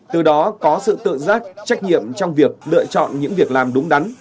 từ đó có sự tự giác trách nhiệm trong việc lựa chọn những việc làm đúng đắn